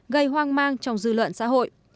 gây hoang mang trong dư luận xã hội